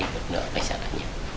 được nửa cảnh sát đặc nhiệm